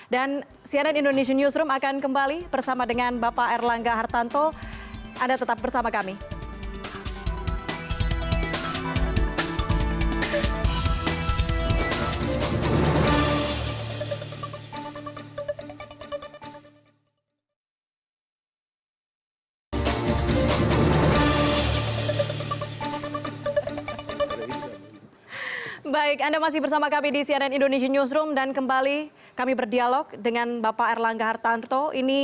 dan cnn indonesian newsroom akan kembali bersama dengan bapak erlangga hartanto